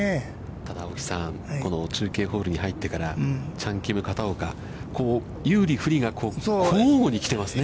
ただ青木さん、この中継ホールに入ってから、チャン・キム、片岡、有利不利が交互に来ていますね。